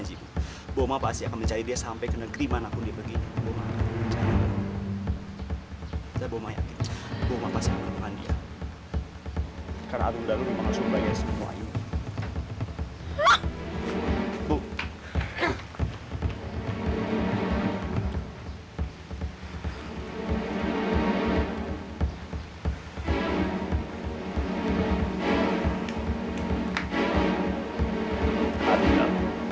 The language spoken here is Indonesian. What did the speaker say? sampai jumpa di video selanjutnya